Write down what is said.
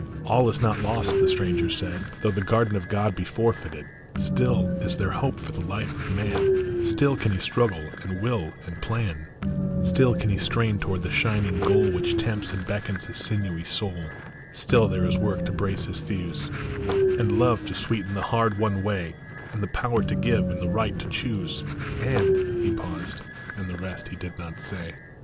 " All is not lost," the stranger said, " Though the garden of God be forfeited ; Still is there hope for the life of man, Still can he struggle and will and plan, Still can he strain toward the shining goal Which tempts and beckons his sinewy soul ; Still there is work to brace his thews, And love to sweeten the hard won way, And the power to give, and the right to choose, And " He paused ; and the rest he did not say.